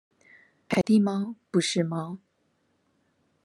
凱蒂貓不是貓